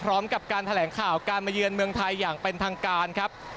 พร้อมกับการแถลงข่าวการมาเยือนเมืองไทยอย่างเป็นทางการครับ